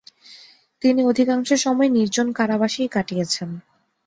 তিনি অধিকাংশ সময় নির্জন কারাবাসেই কাটিয়েছেন।